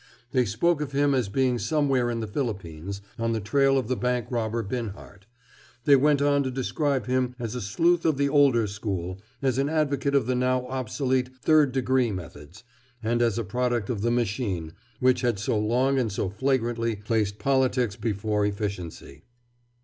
They spoke of him as being somewhere in the Philippines, on the trail of the bank robber Binhart. They went on to describe him as a sleuth of the older school, as an advocate of the now obsolete "third degree" methods, and as a product of the "machine" which had so long and so flagrantly placed politics before efficiency.